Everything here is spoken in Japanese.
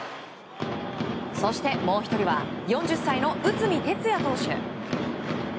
そしてもう１人は４０歳の内海哲也投手。